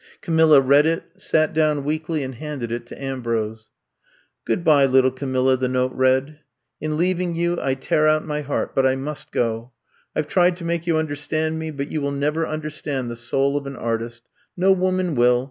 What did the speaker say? *' Camilla read it, sat down weakly and handed it to Ambrose. Good by, little Camilla, *' the note read. In leaving you, I tear out my heart — ^but I must go. I Ve tried to make you under stand me, but you will never under stand the soul of an artist. No woman will.